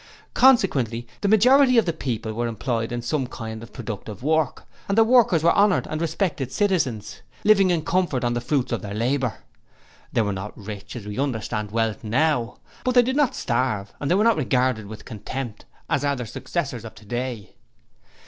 Consequently the majority of the people were employed in some kind of productive work, and the workers were honoured and respected citizens, living in comfort on the fruits of their labour. They were not rich as we understand wealth now, but they did not starve and they were not regarded with contempt, as are their successors of today.